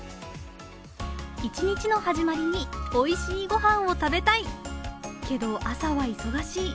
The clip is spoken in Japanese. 一日の始まりにおいしいごはんを食べたいけど、朝は忙しい。